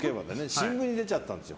新聞に出ちゃったんですよ